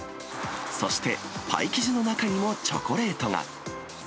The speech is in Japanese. そして、パイ生地の中にもチョコレートが。